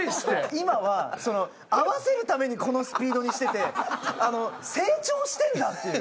今は合わせるためにこのスピードにしてて成長してんだっていう。